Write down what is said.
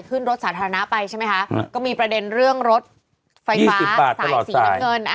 ขึ้นรถสาธารณะไปใช่ไหมคะก็มีประเด็นเรื่องรถไฟฟ้าสายสีน้ำเงิน